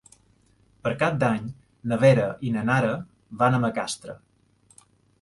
Per Cap d'Any na Vera i na Nara van a Macastre.